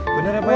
bener ya pak ya